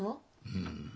うん。